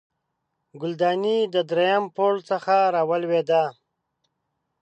ګلدانۍ د دریم پوړ څخه راولوېده